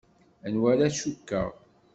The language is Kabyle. Anwa ara cukkeɣ?